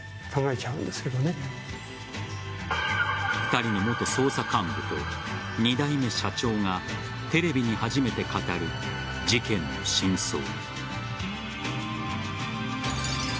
２人の元捜査幹部と２代目社長がテレビに初めて語る事件の真相。